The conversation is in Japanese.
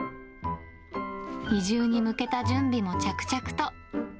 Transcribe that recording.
移住に向けた準備も着々と。